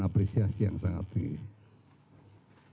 apresiasi yang sangat tinggi